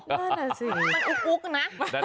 นั่นแหละสิมันอุ๊กนะ